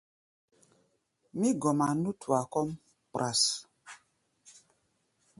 Mí gɔma nútua kɔ́ʼm kpras.